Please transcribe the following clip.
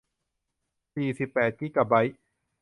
สี่สิบแปดกิกะไบต์